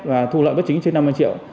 và thu lợi bất chính trên năm mươi triệu